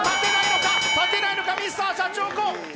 立てないのか、Ｍｒ．シャチホコ。